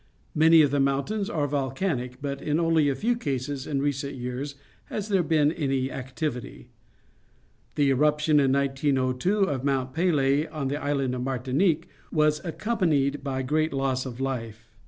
Many of the mountains are volcanic, but in only a few cases in recent years has there been any activity. The eruption in 1902 of Mount Pelee on the island of Martinique was accom panied by great loss of life.